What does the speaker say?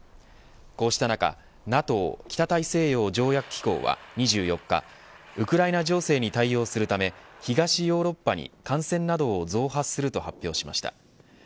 こうした中、ＮＡＴＯ北大西洋条約機構は２４日ウクライナ情勢に対応するため東ヨーロッパに艦船などを増派すると発表しました。